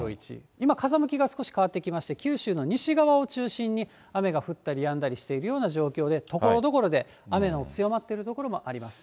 今、風向きが少し変わってきまして、九州の西側を中心に雨が降ったりやんだりしているような状況で、ところどころで雨の強まっている所もあります。